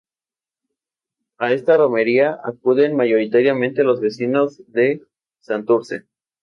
A esta romería acuden mayoritariamente los vecinos de Santurce.